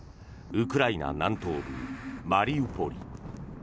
ウクライナ南東部マリウポリ。